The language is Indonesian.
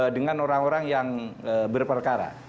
dengan orang orang yang berperkara